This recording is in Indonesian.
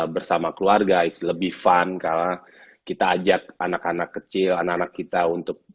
bersama keluarga ⁇ its ⁇ lebih fun karena kita ajak anak anak kecil anak anak kita untuk